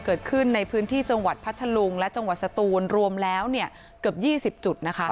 เกิดขึ้นในพื้นที่จังหวัดพัทธลุงและจังหวัดสตูนรวมแล้วเกือบ๒๐จุดนะคะ